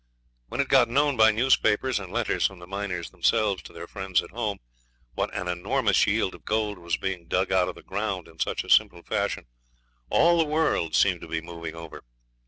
When it got known by newspapers, and letters from the miners themselves to their friends at home, what an enormous yield of gold was being dug out of the ground in such a simple fashion, all the world seemed to be moving over.